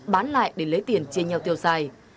bán lại để lấy tiền chia nhau tiêu xài